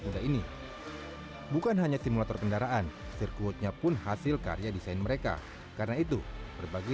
muda ini bukan hanya simulator kendaraan sirkuitnya pun hasil karya desain mereka karena itu berbagai